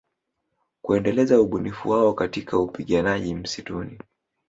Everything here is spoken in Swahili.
Kuendeleza ubunifu wao katika upiganaji mistuni